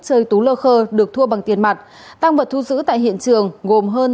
chơi tú lơ khơ được thua bằng tiền mặt tăng vật thu giữ tại hiện trường gồm hơn